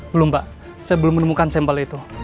belum pak saya belum menemukan sampel itu